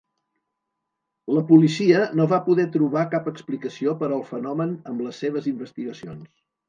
La policia no va poder trobar cap explicació per al fenomen amb les seves investigacions.